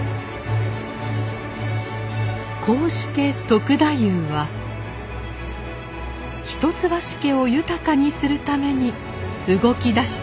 こうして篤太夫は一橋家を豊かにするために動き出したのです。